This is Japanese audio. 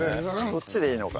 そっちでいいのか。